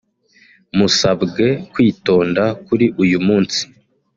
musabwe kwitonda kuri uyu munsi